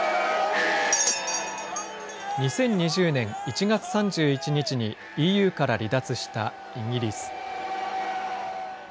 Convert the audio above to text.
２０２０年１月３１日にＥＵから離脱したイギリス。